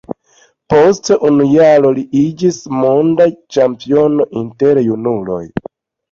Post unu jaro li iĝis monda ĉampiono inter junuloj.